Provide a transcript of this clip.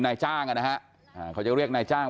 นายจ้างอ่ะนะฮะเขาจะเรียกนายจ้าง